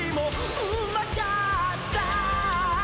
「うまかった」